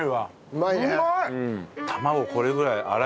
うまいわ。